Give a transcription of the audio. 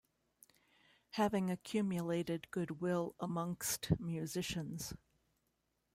Having accumulated goodwill amongst musicians.